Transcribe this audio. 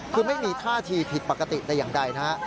คือไม่มีท่าทีผิดปกติแต่อย่างใดนะฮะ